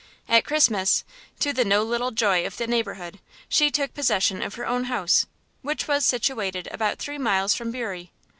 At Christmas, to the no little joy of the neighbourhood, she took possession of her own house, which was situated about three miles from Bury.